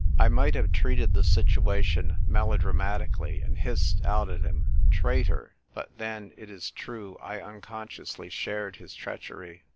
I might have treated the situation melo dramatically and hissed out at him " Traitor !" (But then, it is true, I unconsciously shared his treachery.)